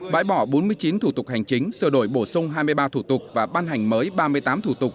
bãi bỏ bốn mươi chín thủ tục hành chính sửa đổi bổ sung hai mươi ba thủ tục và ban hành mới ba mươi tám thủ tục